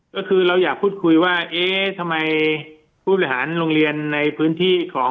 ก็คือเราอยากพูดคุยว่าเอ๊ะทำไมผู้บริหารโรงเรียนในพื้นที่ของ